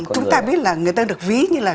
chúng ta biết là người ta được ví như là